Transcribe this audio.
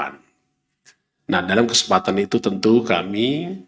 nah dalam kesempatan itu tentu kami